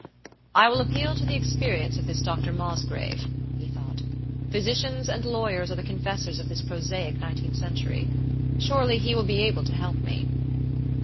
"I will appeal to the experience of this Dr. Mosgrave," he though; "physicians and lawyers are the confessors of this prosaic nineteenth century. Surely, he will be able to help me."